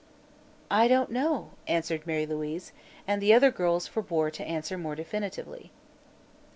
"I don't know," answered Mary Louise, and the other girls forbore to answer more definitely.